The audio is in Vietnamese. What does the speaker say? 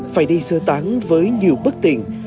phải đi sơ tán với nhiều bất tình